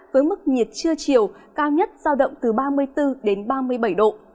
với mức nhiệt trưa chiều cao nhất giao động từ ba mươi bốn đến ba mươi bảy độ